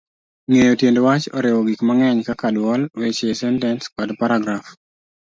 Ng'eyo tiend wach oriwo gik mang'eny kaka dwol, weche, sentens, kod paragraf.